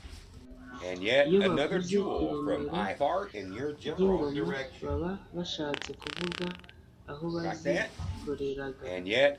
Iyo bavuze iremero ry'ingoma, baba bashatse kuvuga aho bazikoreraga .